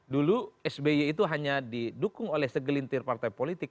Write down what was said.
dulu sby itu hanya didukung oleh segelintir partai politik